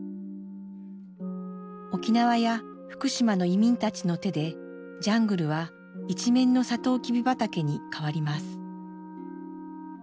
沖縄や福島の移民たちの手でジャングルは一面のサトウキビ畑に変わります。